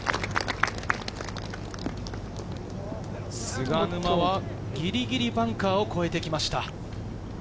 菅沼はぎりぎりバンカーを越えてきました。